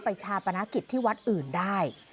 ชาปนกิจที่วัดอื่นได้